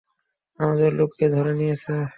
আমাদের লোককে ধরে নিয়েছে।